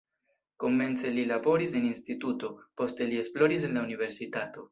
Komence li laboris en instituto, poste li esploris en la universitato.